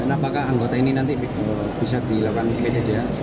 apakah anggota ini nanti bisa dilakukan kejadian